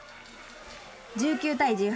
１９対１８。